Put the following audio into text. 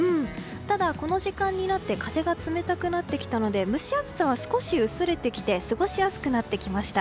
ただ、この時間になって風が冷たくなってきたので蒸し暑さは少し薄れてきて過ごしやすくなってきました。